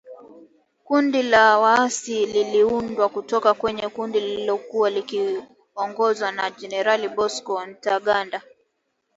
Kundi la waasi liliundwa kutoka kwenye kundi lililokuwa likiongozwa na Generali Bosco Ntaganda